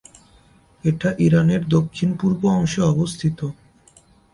এটি ইরানের দক্ষিণ-পূর্ব অংশে অবস্থিত।